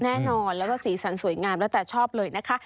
แน่นอนแล้วก็สีสันสวยงามแล้วแต่ชอบเลยนะคะ